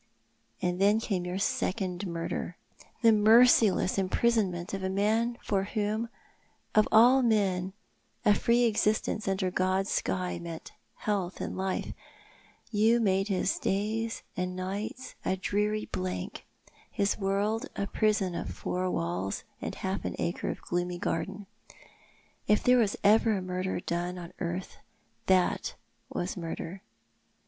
And then came your second murder — the merciless imprisonment of a man for whom, of all men, a free existence under God's sky meant health and life — you made his days and nights a dreary blank — his world a prison of four walls and half an acre of The Ficries on the Hearth. 3 1 1 gloomy garden. If there was ever murder done on earth that was murder."